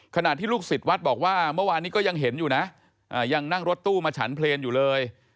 ขณะที่ลูกศิษย์วัดบอกว่าเมื่อวานนี้ก็ยังเห็นอยู่นะยังนั่งรถตู้มาฉันเพลงอยู่เลย